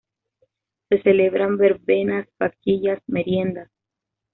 Se celebran verbenas, vaquillas, meriendas...